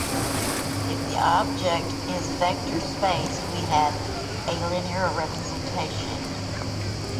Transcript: If the object is a vector space we have a "linear representation".